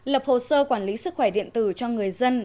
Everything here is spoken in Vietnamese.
lập hồ sơ quản lý sức khỏe điện tử cho người dân